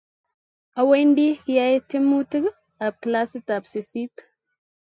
Awendi kiyai twemutik ab klasit sisit